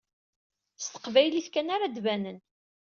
S teqbaylit kan ara ad banen.